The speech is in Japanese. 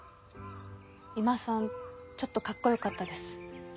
三馬さんちょっとかっこよかったです。